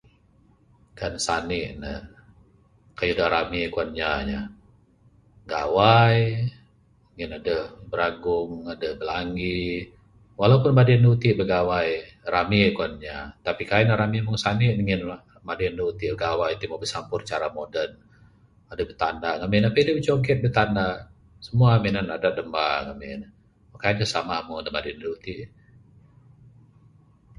Kan sani ne, kayuh da rami kuan inya yeh, gawai. Ngin adeh biragung, adeh bilangi. Walaupun madi andu ti bigawai, rami kuan inya tapi kaii ne rami meng sani ne ngin madi andu ti gawai ti mbuh bisampur cara modern adeh bitanda. Ngamin apih adeh bijoget bitanda. Simua minan adat damba ngamin. Kaii ne samah dangan da madi andu ti.